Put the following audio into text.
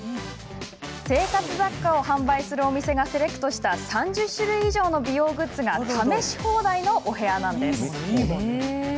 生活雑貨を販売するお店がセレクトした３０種類以上の美容グッズが、試し放題のお部屋なんです。